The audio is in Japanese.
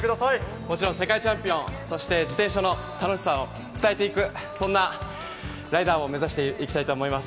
もちろん世界チャンピオン、そして自転車の楽しさを伝えていく、そんなライダーを目指していきたいと思います。